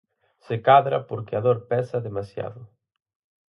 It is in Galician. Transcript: Se cadra porque a dor pesa demasiado.